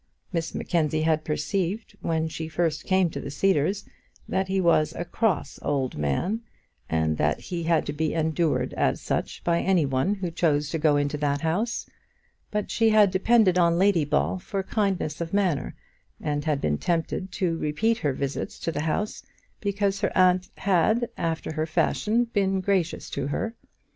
Miss Mackenzie had perceived, when she first came to the Cedars, that he was a cross old man, and that he had to be endured as such by any one who chose to go into that house. But she had depended on Lady Ball for kindness of manner, and had been tempted to repeat her visits to the house because her aunt had, after her fashion, been gracious to her.